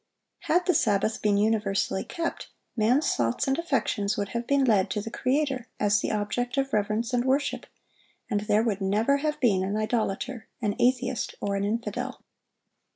Had the Sabbath been universally kept, man's thoughts and affections would have been led to the Creator as the object of reverence and worship, and there would never have been an idolater, an atheist, or an infidel.